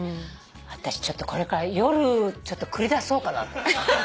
私ちょっとこれから夜繰り出そうかな。